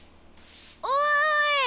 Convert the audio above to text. おい！